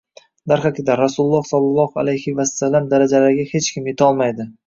Darhaqiqat Rasululloh sallollohu alayhi vasallam darajalariga hech kim yetolmaydi